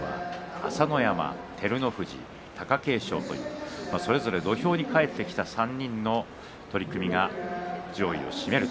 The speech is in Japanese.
朝乃山、照ノ富士、貴景勝というそれぞれ土俵に帰ってきた３人の取組が上位を占める